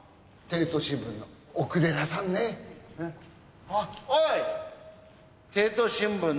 帝都新聞の奥寺さんだそうだ。